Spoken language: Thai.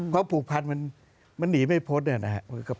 เพราะภูพันธุ์มันหนีไม่พ้นเนี่ยนะครับ